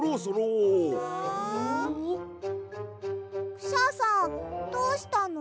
クシャさんどうしたの？